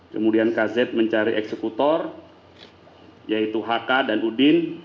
kemudian kz mencari eksekutor yaitu hk dan udin